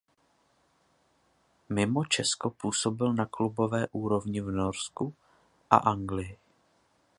Mimo Česko působil na klubové úrovni v Norsku a Anglii.